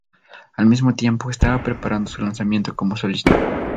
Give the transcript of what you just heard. Al mismo tiempo, estaba preparando su lanzamiento como solista.